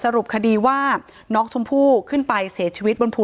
ถ้าใครอยากรู้ว่าลุงพลมีโปรแกรมทำอะไรที่ไหนยังไง